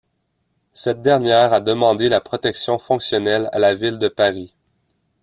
Cette dernière a demandé la protection fonctionnelle à la ville de Paris.